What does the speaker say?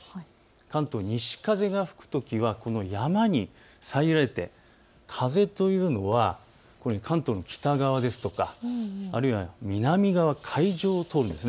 関東、西風が吹くときは山に遮られて風というのは関東の北側ですとかあるいは南側、海上を通るんです。